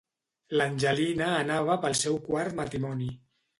L'Angelina anava pel seu quart matrimoni.